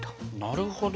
なるほど。